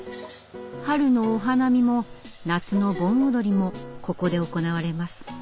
春のお花見も夏の盆踊りもここで行われます。